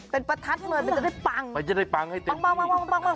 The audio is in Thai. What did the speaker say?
เป็นประทัดเลยจะได้ปังปังให้เต็มที